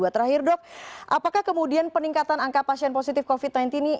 terakhir dok apakah kemudian peningkatan angka pasien positif covid sembilan belas ini